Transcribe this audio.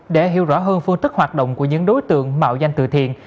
để hiểu rõ hơn phương tức hoạt động của những đối tượng mạo danh từ thiện